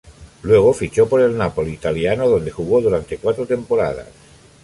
Luego fichó por el Napoli italiano donde jugó durante cuatro temporadas.